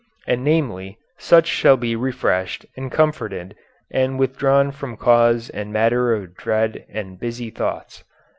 And namely, such shall be refreshed, and comforted, and withdrawn from cause and matter of dread and busy thoughts.